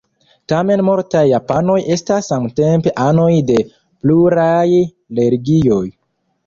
Tamen multaj japanoj estas samtempe anoj de pluraj religioj.